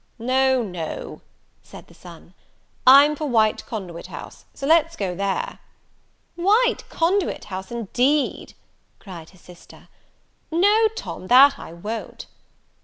"No, no," said the son, "I'm for White Conduit House; so let's go there." "White Conduit House, indeed!" cried his sister; "no, Tom, that I won't."